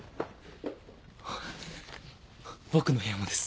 僕の部屋もです。